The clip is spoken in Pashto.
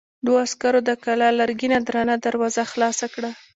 دوو عسکرو د کلا لرګينه درنه دروازه خلاصه کړه.